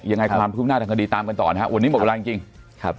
ยังไงความคืบหน้าทางคดีตามกันต่อนะฮะวันนี้หมดเวลาจริงจริงครับ